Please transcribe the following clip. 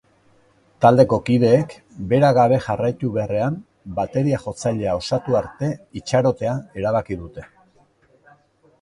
Taldeko kideek bera gabe jarraitu beharrean, bateria-jotzailea osatu arte itxarotea erabaki dute.